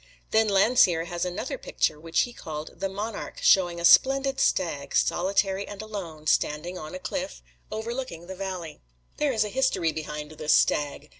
Then Landseer has another picture which he called "The Monarch," showing a splendid stag, solitary and alone, standing on a cliff, overlooking the valley. There is history behind this stag.